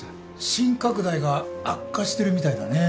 心拡大が悪化してるみたいだねぇ。